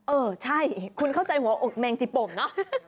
เออใช่คุณเข้าใจหัวอกแมงจีโป่งเนอะ